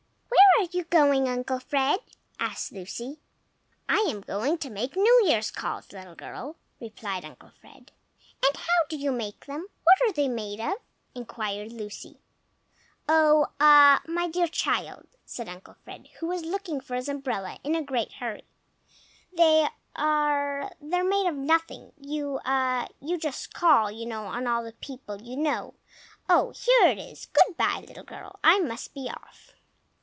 "WHERE are you going, Uncle Fred?" asked Lucy. "I am going to make New Year's calls, little girl," replied Uncle Fred. "And how do you make them? What are they made of?" inquired Lucy. "Oh—ah—my dear child!" said Uncle Fred, who was looking for his umbrella in a great hurry, "they are not made of anything. You—ah—you just call, you know, on all the people you know. Oh, here it is! Good by, little girl! I must be off."